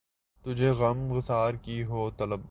تجھے غم گسار کی ہو طلب